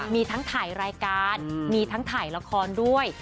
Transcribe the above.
มีทั้งถ่ายรายการมีทั้งถ่ายละครด้วย